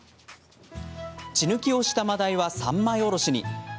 血抜きをしたマダイは三枚おろしに。